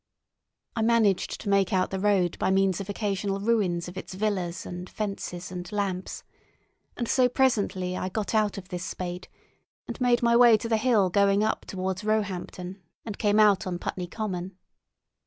I managed to make out the road by means of occasional ruins of its villas and fences and lamps, and so presently I got out of this spate and made my way to the hill going up towards Roehampton and came out on Putney Common.